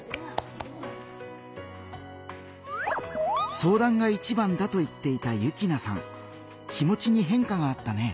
相談がいちばんだと言っていた幸那さん気持ちに変化があったね。